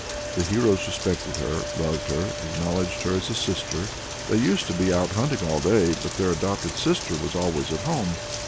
The heroes respected her, loved her, acknowledged her as a sister. They used to be out hunting all day, but their adopted sister was always at home.